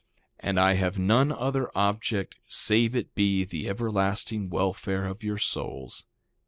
And I have none other object save it be the everlasting welfare of your souls.